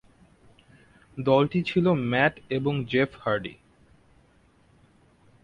দলটি ছিল ম্যাট এবং জেফ হার্ডি।